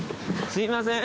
すいません。